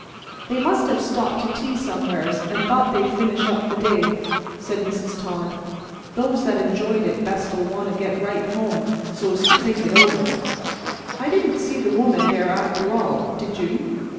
"They must have stopped to tea somewheres and thought they'd finish up the day," said Mrs. Todd. "Those that enjoyed it best'll want to get right home so's to think it over." "I didn't see the woman there after all, did you?"